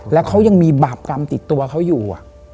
แล้วเขายังมีบาปกรรมติดตัวเขาอยู่